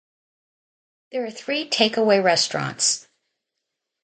There are three take-away restaurants.